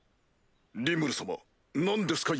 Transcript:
リムル様何ですか？